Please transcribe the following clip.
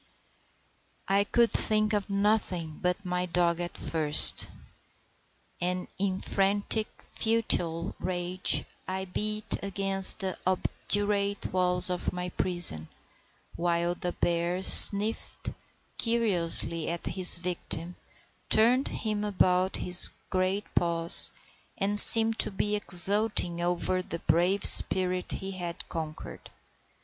I could think of nothing but my dog at first; and in frantic, futile rage I beat against the obdurate walls of my prison, while the bear sniffed curiously at his victim, turned him about with his great paws, and seemed to be exulting over the brave spirit he had conquered.